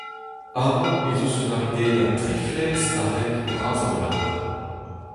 Amañ ez eus un aridennad tri fezh a vent bras a-walc'h.